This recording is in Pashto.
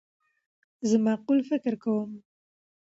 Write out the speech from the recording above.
زه معقول فکر کوم.